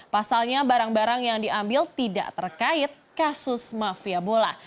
pasalnya barang barang yang diambil tidak terkait kasus mafia bola